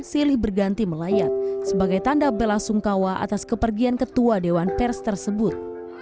silih berganti melayat sebagai tanda bela sungkawa atas kepergian ketua dewan pers tersebut